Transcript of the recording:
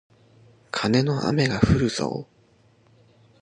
カネの雨がふるぞー